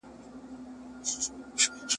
د کېږدۍ تر ماښامونو د ګودر ترانې وړمه !.